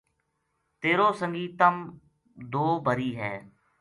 تیر و سنگی تم دو بری ہے